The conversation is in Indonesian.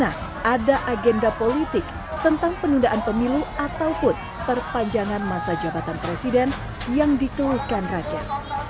ada agenda politik tentang penundaan pemilu ataupun perpanjangan masa jabatan presiden yang dikeluhkan rakyat